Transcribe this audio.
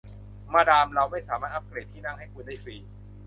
มาดามเราไม่สามารถอัพเกรดที่นั่งให้คุณได้ฟรี